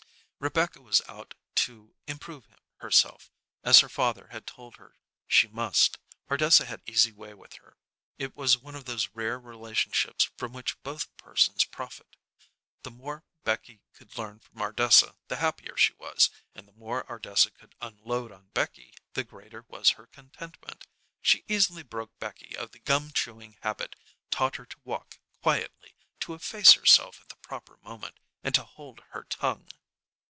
Rebecca was out to "improve herself," as her father had told her she must. Ardessa had easy way with her. It was one of those rare relationships from which both persons profit. The more Becky could learn from Ardessa, the happier she was; and the more Ardessa could unload on Becky, the greater was her contentment. She easily broke Becky of the gum chewing habit, taught her to walk quietly, to efface herself at the proper moment, and to hold her tongue.